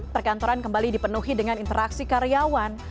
perkantoran kembali dipenuhi dengan interaksi karyawan